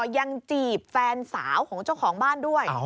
ยังจีบแฟนสาวของเจ้าของบ้านด้วย